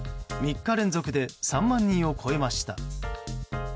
３日連続で３万人を超えました。